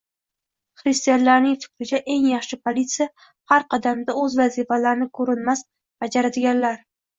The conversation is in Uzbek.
Xristianlarning fikricha, eng yaxshi politsiya - har qadamda o'z vazifalarini ko'rinmas bajaradiganlar